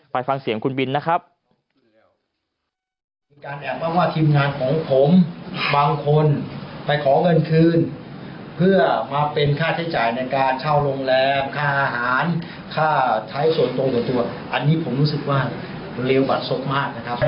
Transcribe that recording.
ฟังเสียงคุณบินนะครับ